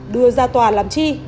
đưa ra tòa làm chi